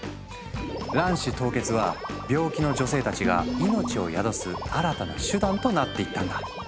卵子凍結は病気の女性たちが命を宿す新たな手段となっていったんだ。